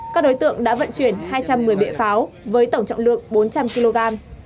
các đối tượng đã vận chuyển hai trăm một mươi bệ pháo với tổng trọng lượng bốn trăm linh kg